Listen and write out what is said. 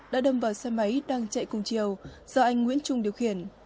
đã đâm vào xe máy đang chạy cùng chiều do anh nguyễn trung điều khiển